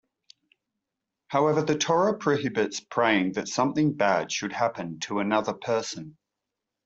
However, the Torah prohibits praying that something bad should happen to another person.